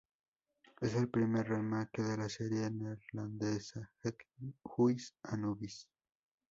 Es el primer remake de la serie neerlandesa "Het Huis Anubis".